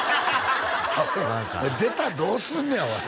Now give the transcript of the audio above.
アホ出たらどうすんねんおい